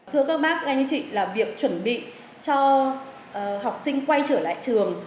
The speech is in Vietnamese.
thưa các bác anh chị là việc chuẩn bị cho học sinh quay trở lại trường